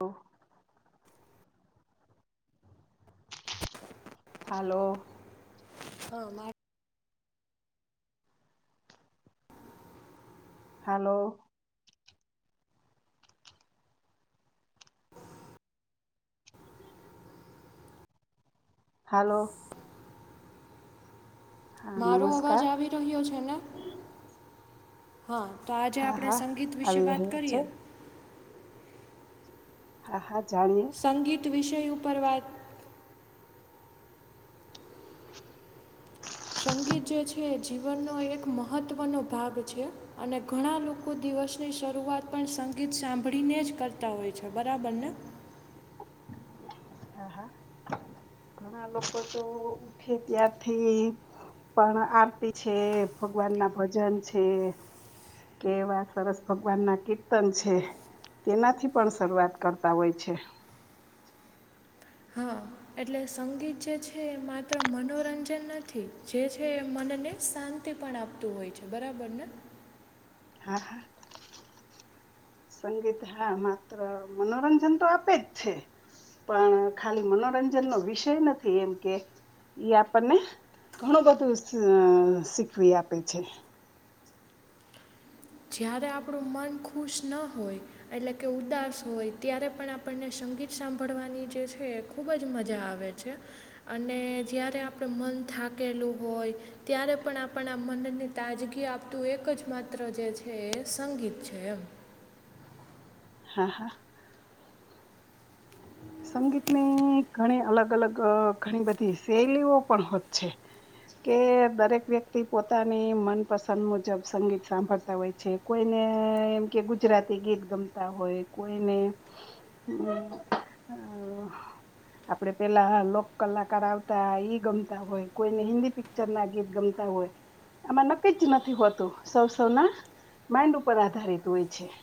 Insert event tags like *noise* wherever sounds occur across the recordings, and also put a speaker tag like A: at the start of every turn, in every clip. A: ઓ. Hello.
B: હા મા.
A: Hello. Hello. હા
B: મારો અવાજ
A: નમસ્કાર
B: આવી રહ્યો છે ને? હા તો આજે
A: હા
B: આપણે
A: હા
B: સંગીત વિશે
A: આવી
B: વાત
A: રહ્યા છે
B: કરીએ.
A: હા હા. જાણીએ
B: સંગીત વિષય ઉપર વાત સંગીત જે છે એ જીવનનો એક મહત્વનોો ભાગ છે અને ઘણા લોકો દિવસની શરૂઆત પણ સંગીત સાંભળીને જ કરતા હોય છે બરાબરને?
A: *inaudible* હા. હા ઘણા લોકો તો ઉઠે ત્યારથી પણ આરતી છે ભગવાન ના ભજન છે. કેવા સરસ ભગવાન ના કીર્તન છે. તેનાથી પણ શરૂઆત કરતા હોય છે.
B: હા એટલે સંગીત જે છે એ માત્ર મનોરંજન નથી જે છે એ મનને શાંત પણ આપતું હોય છે બરાબર ને
A: હા હા. સંગીત હા માત્ર મનોરંજન તો આપે જ છે પણ ખાલી મનોરંજનનો વિષય નથી એમ કે ઈ આપણને ઘણું બધું શીખવી આપે છે
B: જ્યારે આપડુ મન ખુશ ના હોય એટલે કે ઉદાસ હોય ત્યારે પણ આપણને સ ગીત સાંભળવાની જે છે, એ ખૂબ જ મજા આવે છે અને જ્યારે આપણે મન થાકેલું હોય ત્યારે પણ આપણે મનની તાજગી આપતું એક જ માત્ર જે છે હે સંગીત છે એમ
A: હા હા સંગીતની ઘણી અલગ અલગ ઘણી બધી શૈલીઓ પણ હોત છે કે દરેક વ્યક્તિ પોતાની મનપસંદ મુજબ સંગીત સાંભળતા હોય છે કોઈને એમ કે ગુજરાતી ગીત ગમતા હોય કોઈને હમ અ આપડે પેલા લોક કલાકાર આવતા ઈ ગમતા હોય કોઈને હિન્દી પિક્ચર ના ગીત ગમ તા હોય આમાં નક્કી જ નથી હોતું સૌ સૌના માઈન્ડ ઉપર આધારિત હોય છે *inaudible*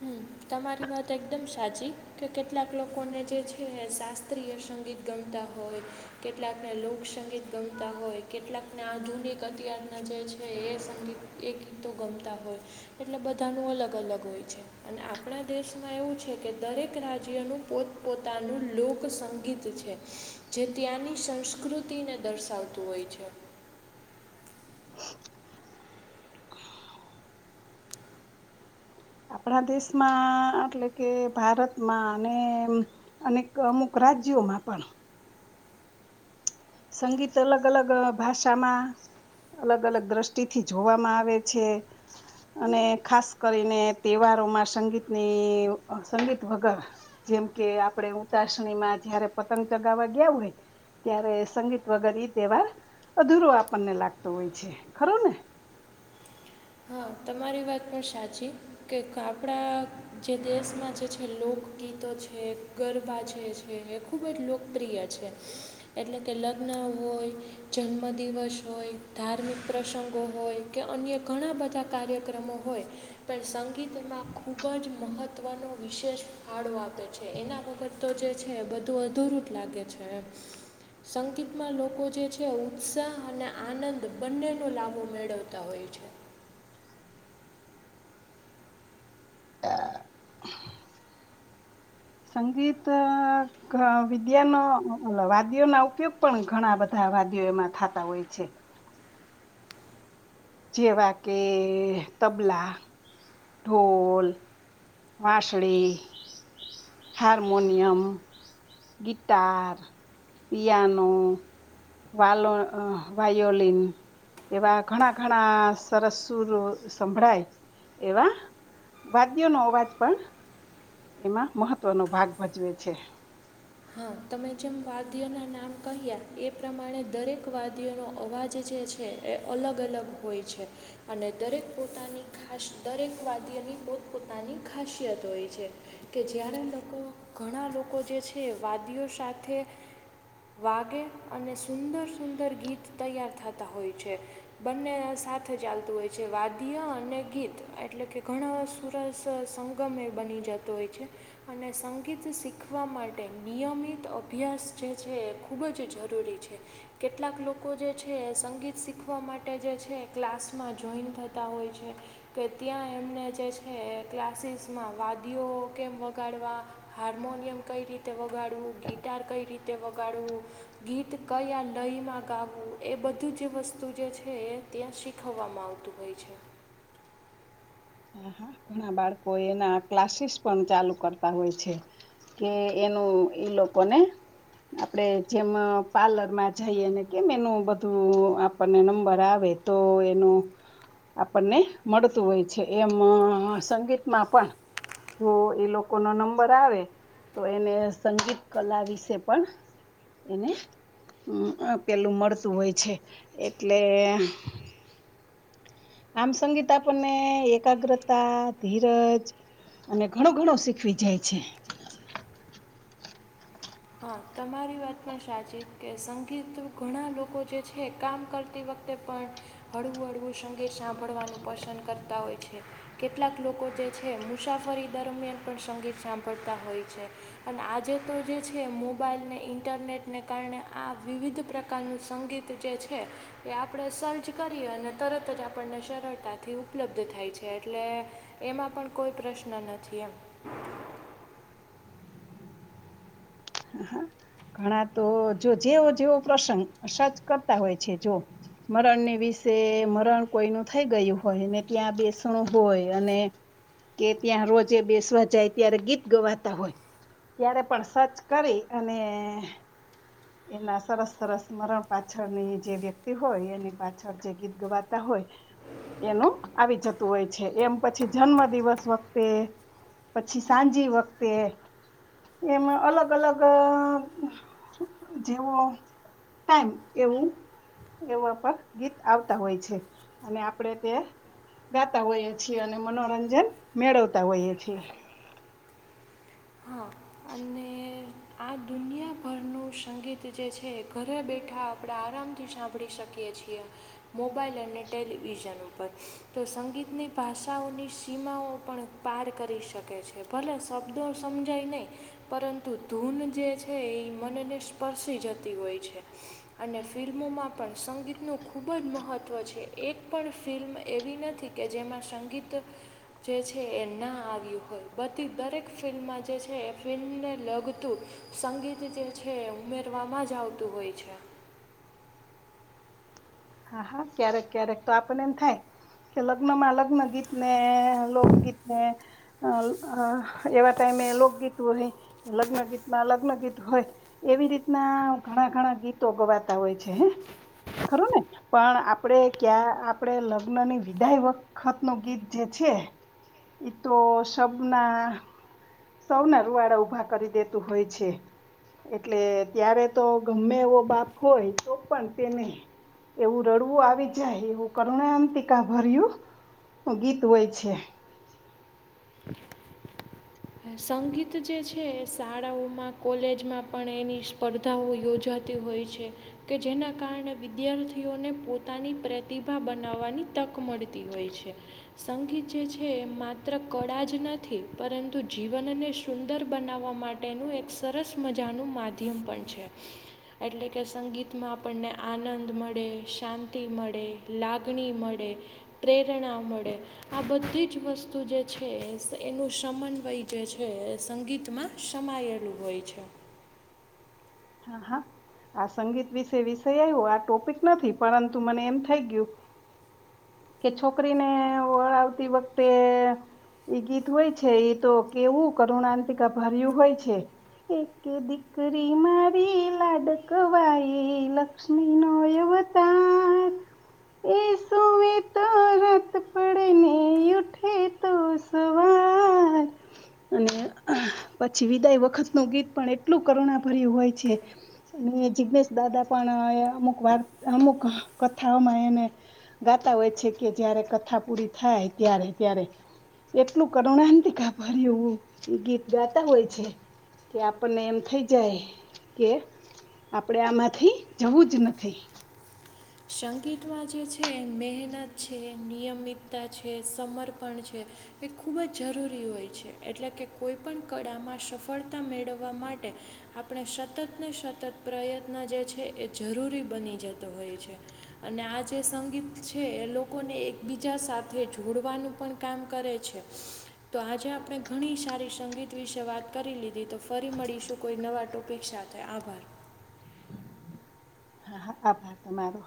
B: હ તમારી વાત એકદમ સાચી કે કેટલાક લોકોને જે છે શાસ્ત્રીય સંગીત ગમતા હોય કેટલાક લોક સંગીત ગમતા હોય કેટલાક ને આધુનિક અત્યાર ના જે છે એ સંગીત એ ગીતો ગમતા હોય એટલે બધાનું અલગ અલગ હોય છે અને આપણા દેશમાં એવું કે દરેક રાજ્યનું પોત પોતાનું લોકસંગીત છે જે ત્યાંની સંસ્કૃતિને દર્શાવતું હોય છે.
A: *inaudible* આપણા દેશમાં એટલે કે ભારતમાં અને અનેક અમુક રાજ જ્યોમા પણ સંગીત અલગ અલગ ભાષામાં અલગ અલગ દ્રષ્ટિથી જોવામાં આવે છે અને ખાસ કરીને તહેવારો માં સંગીતની સંગીત વગર જેમ કે આપડે ઉતાસણીમાં જયારે પતંગ ચગાવવા ગયા હોય ત્યારે સંગીત વગર ઈ તહેવાર અધુરો આપણને લાગતો હોય છે ખરો ને *unintelligible*
B: હા તમારી વાત પણ સાચી કે આપડા જે દેશમાં જે છે લોક ગીતો છે ગરબા છે છે એ ખૂબ જ લોકપ્રિય છે એટલે કે લગ્ન હોય જન્મ દિવસ હોય ધાર્મિક પ્રસંગો હોય કે અન્ય ઘણા બધા કાર્યક્રમો હોય પણ સંગીતમાં ખૂબ જ મહત્ત્વનો વિશેષ આડો આપે છે એના વખત તો જે છે બધું અધૂરું જ લાગે છે સંગીતમાં લોકો જે છે ઉત્સાહ અને આનંદ બંનેનો લાભો મેળવતા હોય છે
A: સંગીત ક વિદ્યાનો વાદ્યો ના ઉપયોગ પણ ઘણા બધા વાદીઓમાં થાતા હોય છે જેવા કે તબલા ઢોલ, વાશડી હારમોનિયમ ગીટાર, પિયાનો વાલો, વાયોલીન એવા ઘણા ઘણા સરસુરો સંભળાય એવા વાાગ્યો નો અવાજ પણ એમાં મહત્વનો ભાગ ભજવે છે
B: હા તમે જેમ વાદ્યના નામ કહ્યા એ પ્રમાણે દરેક વાદ્યનો અવાજ જ જે છે એ અલગ અલગ હોય છે અને દરેક પોતાની ખાસ દરેક વાગય ની પોતપતાની ખાસિયત હોય છે કે જ્યારે લોકો ઘણા લોકો જે છે તે વાદીઓ સાથે વાગે અને સુંદર સુંદર ગીત તૈયાર થતા હોય છે બંને રાસ સાથ ચાલતું હોય છે વાદ્યિયા અને ગીત એટલે કે ઘણા સુરસ સંગમે એ બધા બની જતો હોય છે અને સંગીત શીખવા માટે
A: *inaudible*
B: નિયમિત અભ્યાસ જે છે એ ખૂબ જ જરૂરી છે કેટલાક લોકો જે છે સંગીત શીખવા માટે જે છે ક્લાસમાં જોઈન થતા હોય છે કે ત્યાં એમને જે છે અને ક્લાસીસમાં વાદીઓ કેમ વગાડવા હાર્મોનિયમ કઈ રીતે તે વગાડવું ગીટાર કઈ રીતે વગાડવું ગીત કયા નયમાં ગાવું એ બધું જે વસ્તુ જે છે એ ત્યાં શીખવવામાં આવતું હોય છે
A: *inaudible* હ હા ઘણા બાળકો એના ક્લાસીસ પણ ચાલુ કરતા હોય છે કે એનું એ લોકો ને આપડે જેમ પાર્લરમાં જઈએ ને કેમ એનું બધું આપણને નંબર આવે તો એનું આપણને મળતું હોય છે એમ સંગીતમાં પણ જો એ લોકોનો નંબર આવે તો એને સંગીત કલા વિશે પણ એને હમ અ પેલું મળતું હોય છે. એટલે આમ સંગીત આપણને એકાગ્રતા, ધીરજ અને ઘણું ઘણું શીખવી જાય છે.
B: હા તમારી વાત પણ સાચી કે સંગીત ઘણા લોકો જે છે કામ કરતી વખતે તે પણ હળવું હળવું સંગીત સાંભળવાનું પસંદ કરતા હોય છે. કેટલાક લોકો જે છે મુસાફરી દરમિયાન પણ સંગીત સાંભળતા હોય છે અને આજે તો જે છે મોબાઈલને, ઇન્ટરનેટને કારણે આ વિવિધ પ્રકારનું સંગીત જે છે તે આપણે સર્ચ કરીએ અને તરત જ આપણને સરળતાથી ઉપલબ્ધ થાય છે એટલે એમાં પણ કોઈ પ્રશ્ન નથી એમ
A: *inaudible* ઘણા તો જો જેવો જેવો પ્રસંગ સર્ચ કરતા હોય છે જો મરણની વિશે મરણ કોઈનું થઈ ગયું હોય ને ત્યાં બેસણું હોય અને કે ત્યાં રોજે બેસવા જાય ત્યારે ગીત ગવાતા હોય. ત્યારે પણ સર્ચ કરી અને એના સરસ સરસ મરણ પાછળની જે વ્યક્તિ હોય એની પાછળ જે ગીત ગવાતા હોય એનું આવી જતું હોય છે. એમ પછી જન્મ દિવસ વખતે પછી સાંજી વખતે એમ અલગ અલગ અ જેવો ટાઈમ એવું એવા પણ ગીત આવતા હોય છે. અને આપણેે તે ગાતા હોઈએ છીએ. અને મનોરંજન મેળવતા હોઈએ છીએ.
B: હા અને આ દુનિયાભરનું સંગીત જે છે ઘરે બેઠા આપણે આરામથી સાંભળી શકીએ એ છીએ. મોબાઈલ અને ટેલિવિઝન ઉપર તો સંગીતની ભાષાઓની સી સીમાઓ પણ પાર કરી શકે છે. ભલે શબ્દો સમજાય નહીં પરંતુ ધૂન જે છે એ મનને સ્પર્શી જતી હોય છે. અને ફિલ્મોમાં પણ સંગીતનું ખૂબ જ મહત્ત્વ છે. એક પણ ફિલ્મ એવી નથી કે જેમાં સંગીત જે છે એ ના આવ્યું હોય બધી દરેક ફિલ્મમાં જે છે એ ફિલ્મને લગ્ તું સંગીત જે છે એ ઉમેરવામાં જ આવતું હોય છે.
A: હા હા ક્યારેક ક્યારેક તો આપણને એમ થાય કે લગ્નમાં લગ્ન ગીતને લોકગીતને અ અ એવા ટાઈમ મે લોકગીત હોય લગ્ન ગીતમાં લગ્નગીત હોય એવી રીતના ઘણા ઘણા ગીત ગીતો ગવાતા હોય છે. હે ખરું ને? પણ આપણે ક્યાં આપણે લગ્નની વિદાય વખતનું ગીત જે છે ઈ તો શબના સૌના રૂવાડા ઉભા કરી દેતું હોય છે. એટલે ત્યારે તો ગમે એવો બાપ હોય તો પણ તેને એવું રડવું આવી જાય એવું કરુણા અંતીકા ભર્યું. ગીત હોય છે.
B: સંગીત જે છે એ શાળાઓમાં, કોલેજમાં પણ એની સ્પર્ધાઓ યોજા તી હોય છે, કે જેના કારણે વિદ્યાર્થીઓને પોતાની પ્રતિભા બનાવવાની તક મળતી હોય છે, સંગીત જે છે એ માત્ર કળા જ નથી પર તું જીવનને સુંદર બનાવવા માટેનું એક સરસ મજાનું માધ્યમ પણ છે. એટલે કે સંગીતમાં આપણને આનંદ મળે, શાંતિ મળે, લાગણી મળે, પ્રેરણા મળે આ બધી જ વસ્તુ જે છે એનું સમન વય જે છે એ સંગીતમાં સમાયેલું હોય છે.
A: હા હા. આ સંગીત વિશે વિષય આવ્યો આ ટોપિક નથી પરંતુ મને એમ થઈ ગયું કે છોકરીને વળાવતી વખતે એ ગીત હોય છે એ તો કેવું કરુણાંતિકા ભર્યું હોય છે. એક દીકરી મારી લાડકવાય લક્ષ્મી નો એ તાર એ સુ તો રત પડેને ઉઠે તો સ વાર અને પછી વિદાય વખતનું ગીત પણ એટલું કરુણા ભર્યું હોય છે. અને જિગ્નેેશ દાદા પણ અમુક વાર્ અમુક કથાઓમાં એને ગાતા હોય છે કે જય્યારે કથા પૂરી થાય ત્યારે ત્યારે. એટલું કરુણાંતિકા ભર્યું એ ગીત ગાતા હોય છે. કે આપણને એમ થઈ જાય કે આપડે આમાંથી જવું જ નથી.
B: સંગીતમાં જે છે મહેનત છે, નિયમિતતા છે, સમર્પણ છે. એ ખૂબ જ જરૂરી હોય છે, એટલે કે કોઈ પણ કળામાં સફળતા મેળવવા માટે આપણે સતત ને સતત પ્રયત્ન જે છે એ જરૂરી બની જતો હોય છે. અને આ જે સંગીત છે એ લોકોને એકબીજા સાથે જોડવાનું પણ કામ કરે છે. તો આજે આપણે ઘણી સારી સંગીત વિશે વાત કરી લીધી, તો ફરી મળીશું કોઈ નવા ટોપિક સા આભાર.
A: હમ્મ. આભાર તમારો.